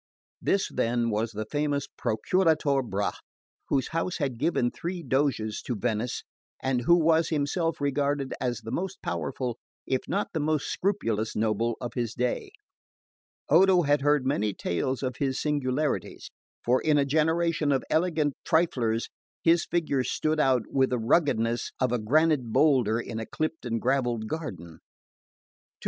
This, then, was the famous Procuratore Bra, whose house had given three Doges to Venice, and who was himself regarded as the most powerful if not the most scrupulous noble of his day. Odo had heard many tales of his singularities, for in a generation of elegant triflers his figure stood out with the ruggedness of a granite boulder in a clipped and gravelled garden.